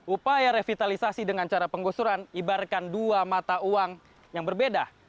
upaya revitalisasi dengan cara penggusuran ibaratkan dua mata uang yang berbeda